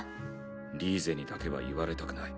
リーゼにだけは言われたくない。